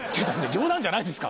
冗談じゃないんですか？